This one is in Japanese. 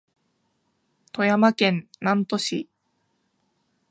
富山県南砺市